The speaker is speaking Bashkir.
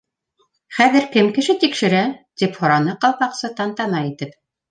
—Хәҙер кем кеше тикшерә? —тип һораны Ҡалпаҡсы тантана итеп.